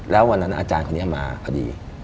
แล้ววันนั้นอาจารย์คนนี้มาพอดี